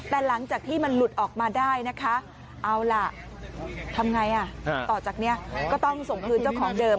แต่หลังจากที่มันหลุดออกมาได้นะคะเอาล่ะทำไงต่อจากนี้ก็ต้องส่งคืนเจ้าของเดิม